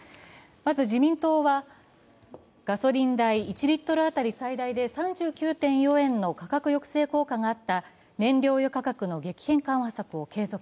まず自民党は、ガソリン代１リットル当たり最大で３９．４円の価格抑制効果があった燃料油価格の激変緩和策の継続。